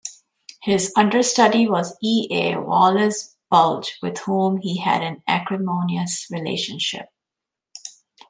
His understudy was E. A. Wallis Budge with whom he had an acrimonious relationship.